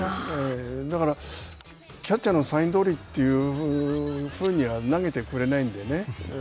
だから、キャッチャーのサインどおりというふうには投げてくれないんでね。